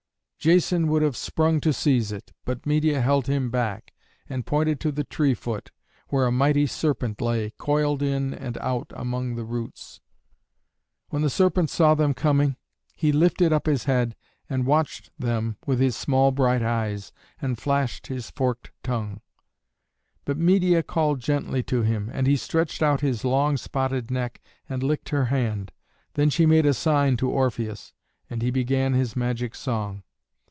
Jason would have sprung to seize it, but Medeia held him back and pointed to the tree foot, where a mighty serpent lay, coiled in and out among the roots. When the serpent saw them coming, he lifted up his head and watched them with his small bright eyes, and flashed his forked tongue. But Medeia called gently to him, and he stretched out his long spotted neck, and licked her hand. Then she made a sign to Orpheus, and he began his magic song.